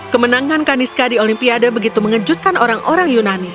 kemenangan kaniska di olimpiade begitu mengejutkan orang orang yunani